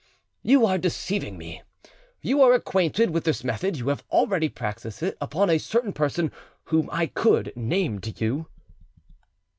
"You are deceiving me: you are acquainted with this method, you have already practised it upon a certain person whom I could name to you."